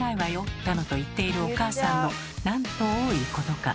だのと言っているお母さんのなんと多いことか。